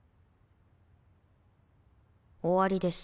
終わりです。